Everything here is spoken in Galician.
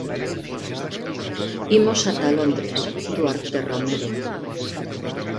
Imos ata Londres, Duarte Romero.